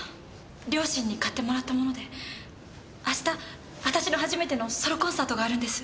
両親に買ってもらったもので明日私の初めてのソロコンサートがあるんです。